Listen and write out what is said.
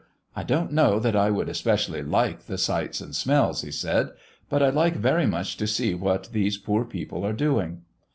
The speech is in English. "I don't know that I would especially like the sights and smells," he said, "but I'd like very much to see what these poor people are doing."